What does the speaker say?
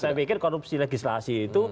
saya pikir korupsi legislasi itu